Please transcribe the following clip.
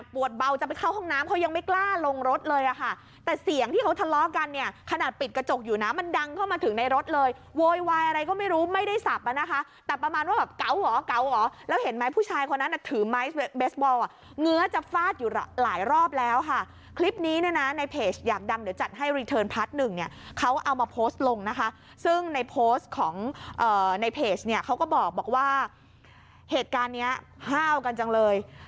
ปวดเบาจะไปเข้าห้องน้ำเขายังไม่กล้าลงรถเลยอ่ะค่ะแต่เสียงที่เขาทะเลาะกันเนี้ยขนาดปิดกระจกอยู่น่ะมันดังเข้ามาถึงในรถเลยโวยวายอะไรก็ไม่รู้ไม่ได้สับอ่ะนะคะแต่ประมาณว่าแบบเก๋าหรอเก๋าหรอแล้วเห็นไหมผู้ชายคนนั้นน่ะถือไม้เบสบอลอ่ะเหงือจับฟาดอยู่หลายรอบแล้วค่ะคลิปนี้เนี้ยน่ะในเพจอย